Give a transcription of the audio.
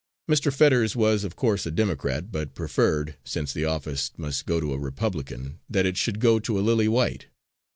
Mr. Fetters was of course a Democrat, but preferred, since the office must go to a Republican, that it should go to a Lily White.